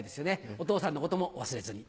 お父さんのことも忘れずに。